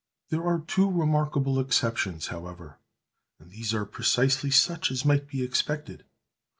There are two remarkable exceptions, however, and these are precisely such as might be expected.